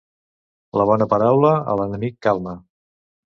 La bona paraula a l'enemic calma.